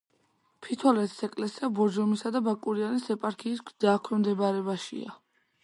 ფოთოლეთის ეკლესია ბორჯომისა და ბაკურიანის ეპარქიის დაქვემდებარებაშია.